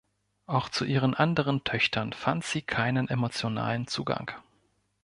Auch zu ihren anderen Töchtern fand sie keinen emotionalen Zugang.